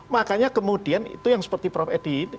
makanya kemudian itu yang seperti prof edi